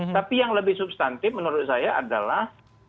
tapi yang lebih substantif menurut saya adalah